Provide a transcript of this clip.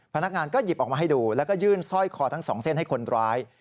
พนักงานก็หยิบออกมาให้ดูแล้วก็ยื่นสร้อยคอทั้งสองเส้นให้คนร้าย